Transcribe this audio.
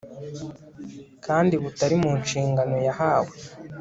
kandi butari mu nshingano yahawe